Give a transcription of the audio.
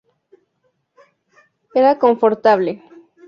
Era confortable.